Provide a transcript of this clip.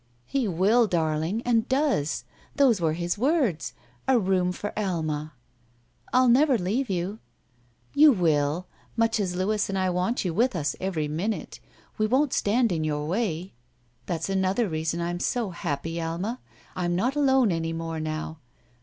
''He will, darling, and does! Those were his words. * A room for Alma.' " I'll never leave you!" 'You will! Muc^ as Louis and I want you with us every minute, we won't stand in your way! That's another reason I'm so happy. Alma. I'm not alone any more now.